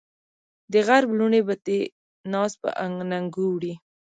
د غرب لوڼې به دې ناز په اننګو وړي